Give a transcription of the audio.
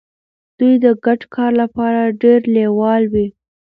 دوی د ګډ کار لپاره ډیر لیواله وي.